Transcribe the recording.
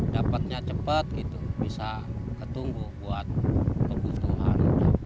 dapatnya cepat gitu bisa ketumbuh buat kebutuhan